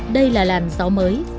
đây là làn gió mới